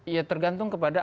ya tergantung kepada